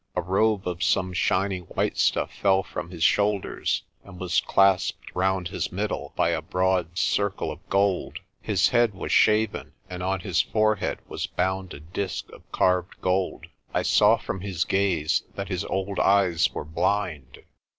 A robe of some shining white stuff fell from his shoulders, and was clasped round his middle by a broad circle of gold. His head was shaven, and on his forehead was bound a disc of carved gold. I saw from his gaze that his old eyes were blind.